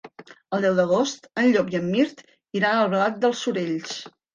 El deu d'agost en Llop i en Mirt iran a Albalat dels Sorells.